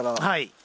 はい。